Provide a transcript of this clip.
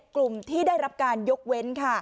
กลุ่มที่ได้รับการยกเว้น